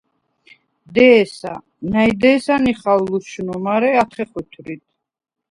დე̄სა, ნა̈ჲ დე̄სა ნიხალ ლუშნუ, მარე ათხე ხვითვრიდ.